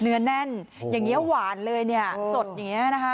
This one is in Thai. เนื้อแน่นอย่างนี้หวานเลยเนี่ยสดอย่างนี้นะคะ